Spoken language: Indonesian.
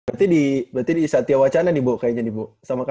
berarti di satya wacana nih bu kayaknya nih bu